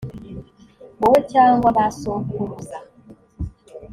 wowe cyangwa ba sokuruza